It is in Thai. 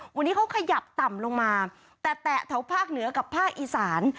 วันนี้เขาขยับต่ำลงมาแต่แตะแถวภาคเหนือกับภาคอีสาน